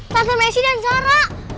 tante messi dan sarah